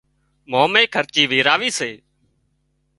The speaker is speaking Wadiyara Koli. مامو خرچي ويراوي سي